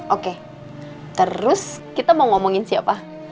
oke terus kita mau ngomongin siapa